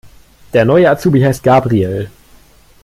Der neue Azubi heißt Gabriel.